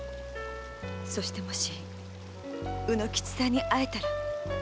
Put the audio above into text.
そしてもし卯之吉さんに会えたら。